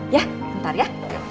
yah ntar ya